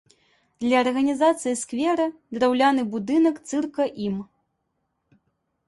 Для арганізацыі сквера драўляны будынак цырка ім.